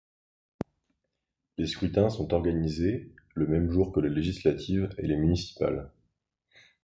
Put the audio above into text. Les scrutins sont organisés le même jour que les législatives et les municipales.